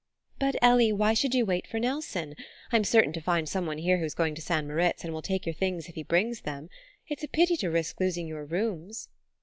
"But, Ellie, why should you wait for Nelson? I'm certain to find someone here who's going to St. Moritz and will take your things if he brings them. It's a pity to risk losing your rooms."